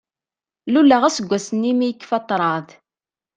Luleɣ aseggas-nni mi yekfa ṭṭraḍ.